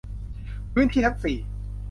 พื้นที่ทั้ง สี่